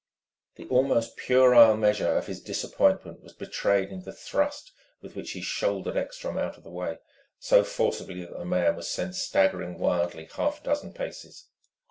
The almost puerile measure of his disappointment was betrayed in the thrust with which he shouldered Ekstrom out of the way, so forcibly that the man was sent staggering wildly half a dozen paces.